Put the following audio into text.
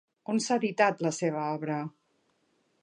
On s'ha editat la seva obra?